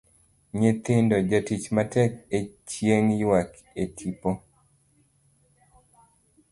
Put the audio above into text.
Nyithindo, jatich matek e chieng' ywak e tipo.